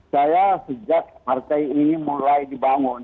saya sejak partai ini mulai dibangun